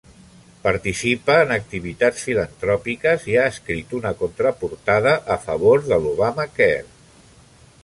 Participa en activitats filantròpiques i ha escrit una contraportada a favor de l'Obamacare.